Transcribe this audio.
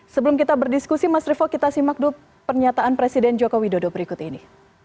sebelum kita berdiskusi mas revo kita simak dulu pernyataan presiden joko widodo berikut ini